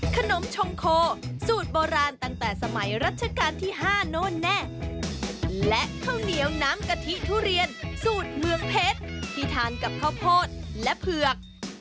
ขนมชงโคสูตรโบราณตั้งแต่สมัยรัชกาลที่๕โน้นแน่และข้าวเหนียวน้ำกะทิทุเรียนสูตรเมืองเพชรที่ทานกับข้าวโพดและเผือก